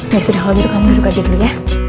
ya sudah kalau begitu kamu duduk aja dulu ya